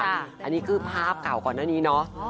อันนี้คือภาพเก่าก่อนหน้านี้เนาะ